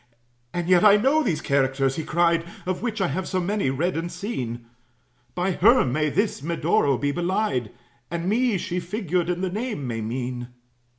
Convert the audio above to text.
"And yet I know these characters," he cried, "Of which I have so many read and seen; By her may this Medoro be belied, And me, she, figured in the name, may mean."